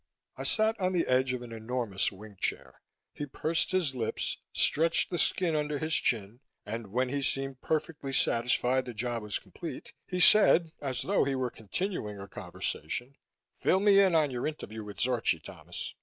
I sat on the edge of an enormous wing chair. He pursed his lips, stretched the skin under his chin and, when he seemed perfectly satisfied the job was complete, he said as though he were continuing a conversation, "Fill me in on your interview with Zorchi, Thomas."